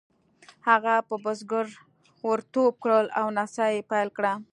هغه په بزګر ور ټوپ کړل او نڅا یې پیل کړه.